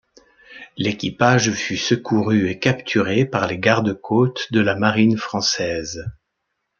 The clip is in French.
L'équipage fut secouru et capturé par les garde-côtes de la Marine française.